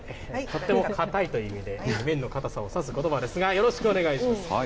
とっても硬いという意味で、麺の硬さを指すことばですが、よろしくお願いします。